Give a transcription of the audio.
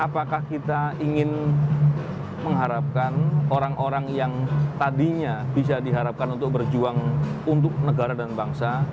apakah kita ingin mengharapkan orang orang yang tadinya bisa diharapkan untuk berjuang untuk negara dan bangsa